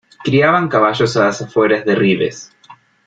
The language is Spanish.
Criaban caballos a las afueras de Ribes.